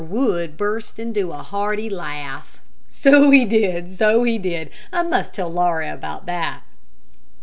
Wood burst into a hearty laugh. "So he did, so he did. I must tell Laura about that.